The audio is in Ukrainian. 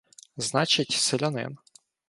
значить, селянин.